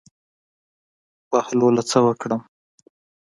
بهلوله څه وکړم.